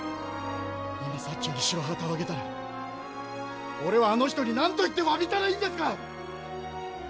今長に白旗を揚げたら俺はあの人に何と言ってわびたらいいんですか！？